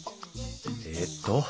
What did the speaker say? えっと